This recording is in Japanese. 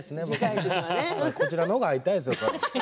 こちらの方が会いたいですよ。